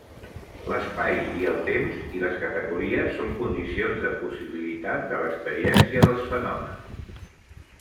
L'espai i el temps i les categories són condicions de possibilitat de l'experiència, dels Fenòmens.